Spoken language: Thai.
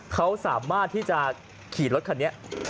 เขาสามารถที่จะขี่รถคันนี้